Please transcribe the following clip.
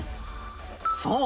そう！